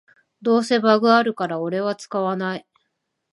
どうせバグあるからオレは使わない